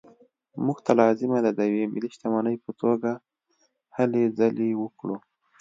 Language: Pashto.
موږ ته لازمه ده د یوې ملي شتمنۍ په توګه هلې ځلې وکړو.